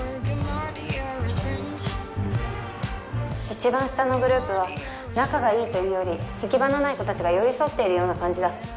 一番下のグループは仲が良いというより行き場のない子たちが寄り添っているような感じだ。